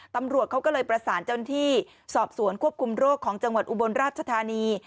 ตำรวจเขาก็เลยประสานเจ้าหน้าที่สอบสวนควบคุมโรคของจังหวัดอุบลราชธานี